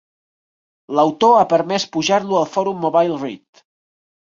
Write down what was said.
L'autor ha permès pujar-lo al fòrum MobileRead.